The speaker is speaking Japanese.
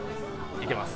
いけます。